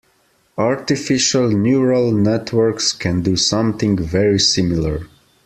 Artificial neural networks can do something very similar.